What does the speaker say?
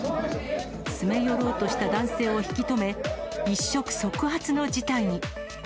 詰め寄ろうとした男性を引き止め、一触即発の事態に。